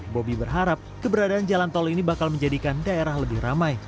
bobi berharap keberadaan jalan tol ini bakal menjadikan daerah lebih ramai